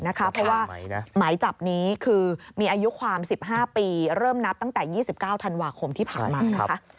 เพราะว่าหมายจับนี้คือมีอายุความ๑๕ปีเริ่มนับตั้งแต่๒๙ธันวาคมที่ผ่านมานะคะ